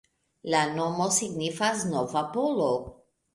La nomo signifas nova-polo.